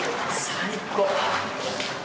最高。